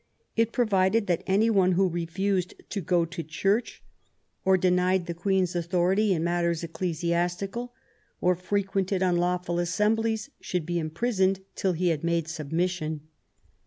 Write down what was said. It provided, that any one who refused to go to Church, or, denied the Queen's authority in matters ecclesiastical, or; frequented unlawful assemblies, should be imprisoned till he had made submission.